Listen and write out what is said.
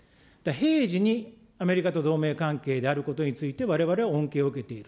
平時にアメリカと同盟関係であることについて、われわれは恩恵を受けている。